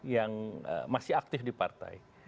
yang masih aktif di partai